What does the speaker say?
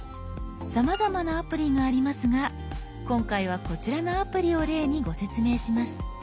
さまざまなアプリがありますが今回はこちらのアプリを例にご説明します。